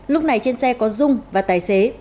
lúc này trên xe có dung và tài xế